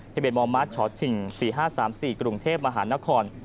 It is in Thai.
ที่เป็นมอร์มัสฉอดถิ่ง๔๕๓๔กรุงเทพฯมหานคร